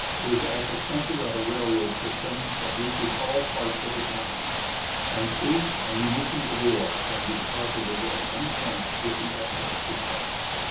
It is at the center of a railroad system that reaches all parts of the continent, and troops and munitions of war can be deposited at any point with the utmost dispatch.